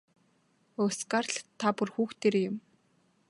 Өө Скарлетт та бүр хүүхдээрээ юм.